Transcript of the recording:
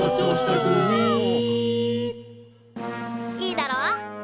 いいだろ？